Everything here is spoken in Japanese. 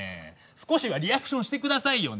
少しはリアクションして下さいよねえ。